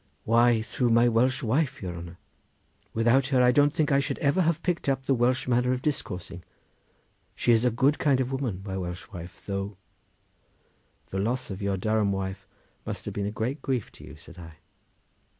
"Why, through my Welsh wife, your honour! Without her I don't think I should ever have picked up the Welsh manner of discoursing—she is a good kind of woman, my Welsh wife, though—" "The loss of your Durham wife must have been a great grief to you," said I.